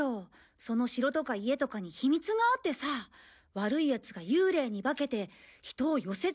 その城とか家とかに秘密があってさ悪いヤツが幽霊に化けて人を寄せつけないように脅すんだ。